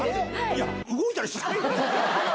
いや、動いたりしないの？